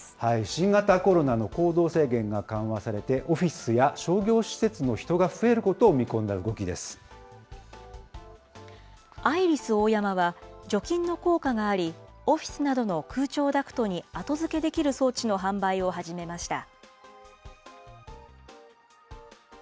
新型コロナの行動制限が緩和されて、オフィスや商業施設の人アイリスオーヤマは、除菌の効果があり、オフィスなどの空調ダクトに後付けできる装置の販売を始めました。